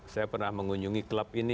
saya pernah mengunjungi klub ini